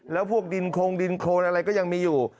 แล้วพวกดินโครงดินโครนอะไรก็ยังมีอยู่